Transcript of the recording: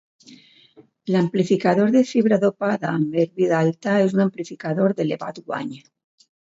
L'amplificador de fibra dopada amb erbi d'alta és un amplificador d'elevat guany.